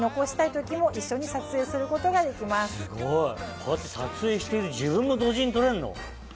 こうやって撮影している自分も同時に撮れるの？